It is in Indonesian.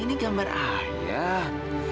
ini gambar ayah